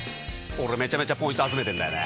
俺めちゃめちゃポイント集めてんだよね。